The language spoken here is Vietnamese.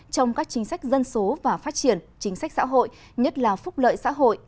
trong các chính sách dân số và phát triển chính sách xã hội nhất là phúc lợi xã hội